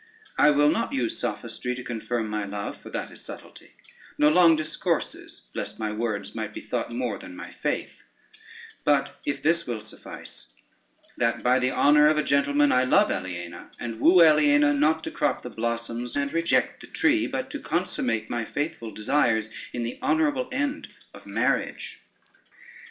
I will not use sophistry to confirm my love, for that is subtlety; nor long discourses lest my words might be thought more than my faith: but if this will suffice, that by the honor of a gentleman I love Aliena, and woo Aliena, not to crop the blossoms and reject the tree, but to consummate my faithful desires in the honorable end of marriage."